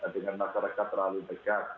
dengan masyarakat terlalu dekat